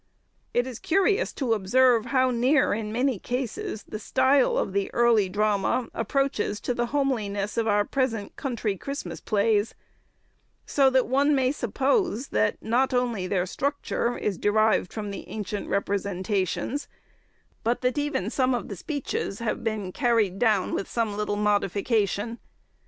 It is curious to observe how near, in many cases, the style of the early drama approaches to the homeliness of our present country Christmas plays; so that one may suppose that not only their structure is derived from the ancient representations, but that even some of the speeches have been carried down with some little modification.